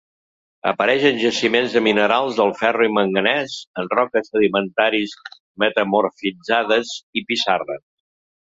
Apareix en jaciments de minerals del ferro i manganès, en roques sedimentaris metamorfitzades i pissarres.